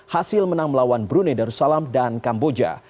hasil menang melawan brunei darussalam dan kamboja